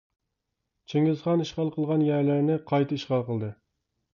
چىڭگىزخان ئىشغال قىلغان يەرلەرنى قايتا ئىشغال قىلدى.